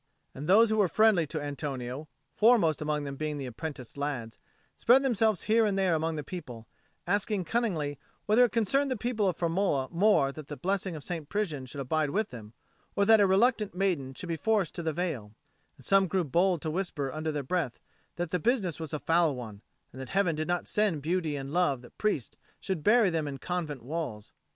And those who were friendly to Antonio, foremost among them being the apprenticed lads, spread themselves here and there among the people, asking cunningly whether it concerned the people of Firmola more that the blessing of St. Prisian should abide with them, or that a reluctant maiden should be forced to take the veil; and some grew bold to whisper under their breath that the business was a foul one, and that Heaven did not send beauty and love that priests should bury them in convent walls.